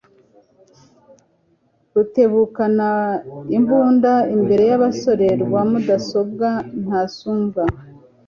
Rutebukana imbunda imbere y'abasore rwa Mudasumbwa ntasumbwa